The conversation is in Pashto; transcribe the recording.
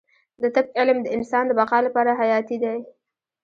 د طب علم د انسان د بقا لپاره حیاتي دی